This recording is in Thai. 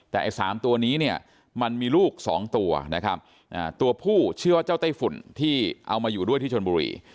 แต่ไอ้๓ตัวนี้เนี่ยมันมีลูก๒ตัวนะครับตัวผู้เชื่อว่าเจ้าไต้ฝุ่นที่เอามาอยู่ด้วยที่ชนบุรี